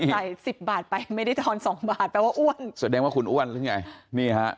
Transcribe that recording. ถ้าใส่๑๐บาทไปไม่ได้ถอน๒บาทแปลว่าอ้วนแสดงว่าคุณอ้วนหรือไง